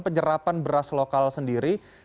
penyerapan beras lokal sendiri